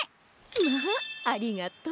まあありがとう。